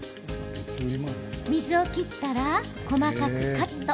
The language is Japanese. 水を切ったら細かくカット。